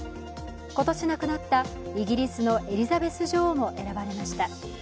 今年亡くなったイギリスのエリザベス女王も選ばれました。